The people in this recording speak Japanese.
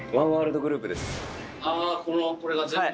あこれが全部。